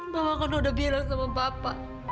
mama kan udah bilang sama papa